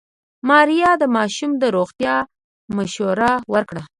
ماريا د ماشوم د روغتيا مشوره ورکړه.